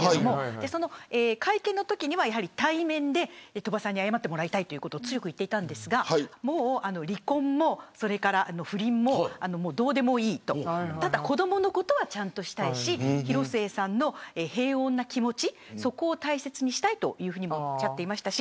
その会見のときには対面で鳥羽さんに謝ってもらいたいと強く言っていましたが離婚も不倫もどうでもいいとただ、子どものことはちゃんとしたいし広末さんの平穏な気持ちを大切にしたいというふうにもおっしゃっていました。